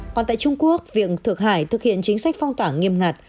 còn tại trung quốc việc thượng hải thực hiện chính sách phong tỏa nghiêm ngặt